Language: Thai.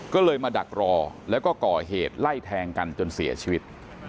ก็เลยมาดักรอแล้วก็ก่อเหตุไล่แทงกันจนเสียชีวิต